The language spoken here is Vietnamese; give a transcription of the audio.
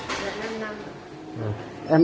rồi thế nào